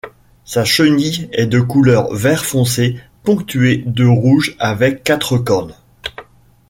Sa chenille est de couleur vert foncé ponctuée de rouge, avec quatre cornes.